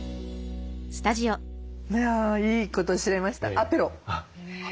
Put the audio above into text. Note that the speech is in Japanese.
いやいいことを知れましたアペロ。